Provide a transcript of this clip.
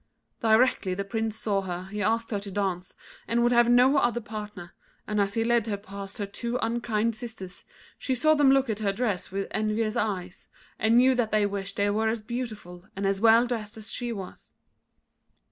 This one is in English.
Directly the Prince saw her, he asked her to dance, and would have no other partner, and as he led her past her two unkind sisters, she saw them look at her dress with envious eyes, and knew that they wished they were as beautiful, and as well dressed as she was.